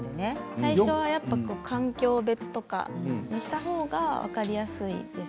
最初は環境別とかにしたほうが分かりやすいです。